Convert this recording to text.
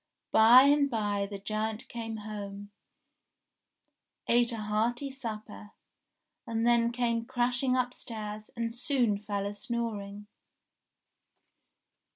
By and by the giant came home, ate a hearty supper, and then came crashing upstairs, and soon fell a snoring.